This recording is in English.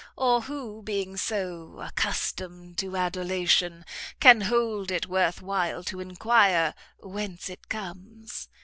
or who, being so accustomed to adulation, can hold it worth while to enquire whence it comes?